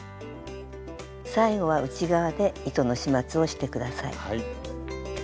最後は内側で糸の始末をして下さい。